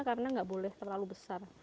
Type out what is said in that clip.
karena tidak boleh terlalu besar